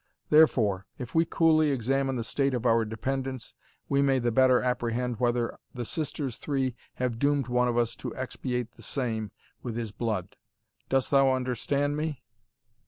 Therefore, if we coolly examine the state of our dependence, we may the better apprehend whether the sisters three have doomed one of us to expiate the same with his blood Dost thou understand me?"